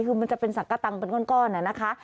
คือมันจะเป็นสักกระตังเป็นก้อนนะคะ